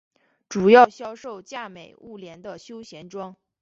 主要销售价廉物美的休闲装。